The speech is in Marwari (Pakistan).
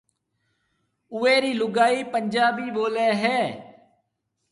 اوئيَ رِي لوگائي پنجابي ٻوليَ ھيََََ